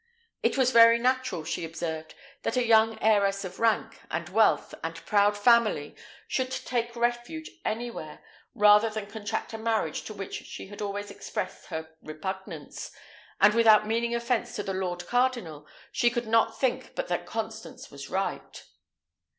It was very natural, she observed, that a young heiress of rank, and wealth, and proud family, should take refuge anywhere, rather than contract a marriage to which she had always expressed her repugnance; and without meaning offence to the lord cardinal, she could not think but that Constance was right.